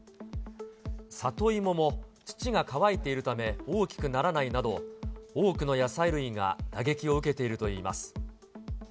里芋も土が乾いているため、大きくならないなど、多くの野菜類が打撃を受けているといいます。